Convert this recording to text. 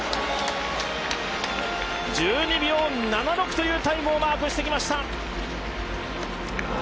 １２秒７６というタイムをマークしてきました。